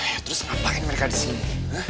ya terus ngapain mereka disini